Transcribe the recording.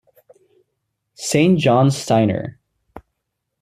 Saint John Steiner.